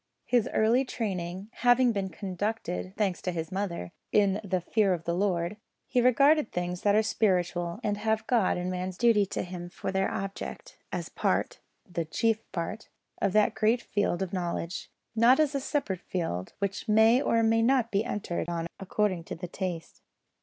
His early training having been conducted (thanks to his mother) "in the fear of the Lord," he regarded things that are spiritual, and have God and man's duty to Him for their object, as part the chief part of that great field of knowledge; not as a separate field which may or may not be entered on according to taste.